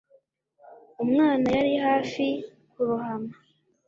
Umwana yari hafi kurohama